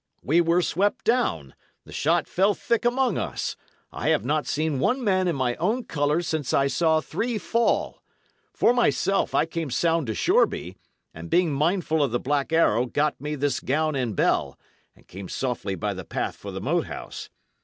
We were swept down; the shot fell thick among us; I have not seen one man in my own colours since I saw three fall. For myself, I came sound to Shoreby, and being mindful of the Black Arrow, got me this gown and bell, and came softly by the path for the Moat House.